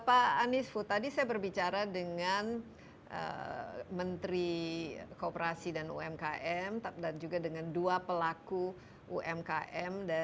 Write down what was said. pak aniesfu tadi saya berbicara dengan menteri kooperasi dan umkm dan juga dengan dua pelaku umkm